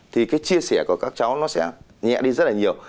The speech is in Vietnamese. thì cái chia sẻ của các cháu nó sẽ nhẹ đi rất là nhiều